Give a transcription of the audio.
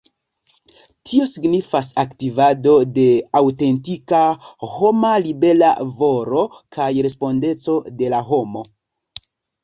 Tio signifas aktivado de aŭtentika homa libera volo kaj respondeco de la homo.